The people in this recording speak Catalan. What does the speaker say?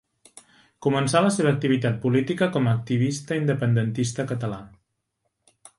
Començà la seva activitat política com a activista independentista català.